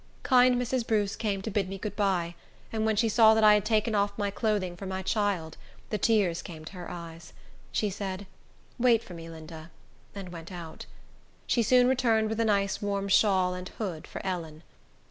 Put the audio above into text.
Kind Mrs. Bruce came to bid me good by, and when she saw that I had taken off my clothing for my child, the tears came to her eyes. She said, "Wait for me, Linda," and went out. She soon returned with a nice warm shawl and hood for Ellen.